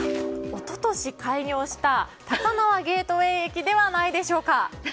一昨年、開業した高輪ゲートウェイ駅ではないでしょうか。